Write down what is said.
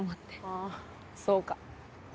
ああそうか。